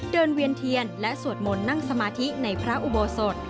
เวียนเทียนและสวดมนต์นั่งสมาธิในพระอุโบสถ